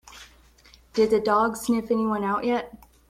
Did the dog sniff anyone out yet?